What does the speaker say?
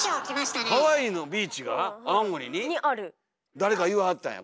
誰か言わはったんや